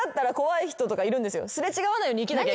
擦れ違わないように生きなきゃ。